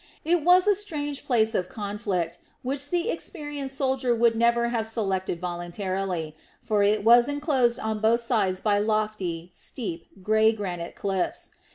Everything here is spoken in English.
It was a strange place of conflict, which the experienced soldier would never have selected voluntarily; for it was enclosed on both sides by lofty, steep, grey granite cliffs.